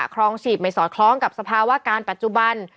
ครองฉีดไม่สอดคล้องกับสภาวะการปัจจุบัน